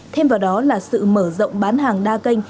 thêm vào đó là sự mở rộng bán hàng đa kênh